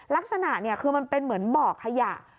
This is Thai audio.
ลักษณะคือมันเป็นเหมือนบ่อขยะ